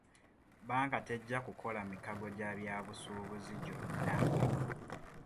Bbanka tejja kukola mikago gya byabusubuuzi gyonna.